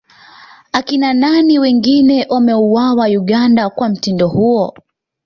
Akina nani wengine wameuawa Uganda kwa mtindo huo